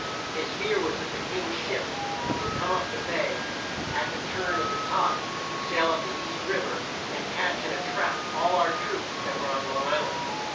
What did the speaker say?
His fear was that the King's ships would come up the bay at the turn of the tide, sail up the East Riv er and catch in a trap all our troops that were on Long Isl and.